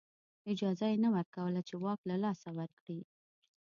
اجازه یې نه ورکوله چې واک له لاسه ورکړي.